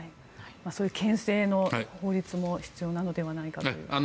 そういう牽制の法律も必要なのではないかと。